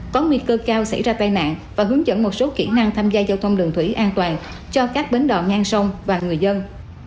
có nguy cơ cao xảy ra tai nạn và hướng dẫn một số kỹ năng tham gia giao thông đường thủy an toàn cho các bến đò ngang sông và người dân